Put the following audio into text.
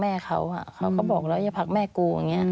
แม่เขาบอกแล้วอย่าผลงแม่กู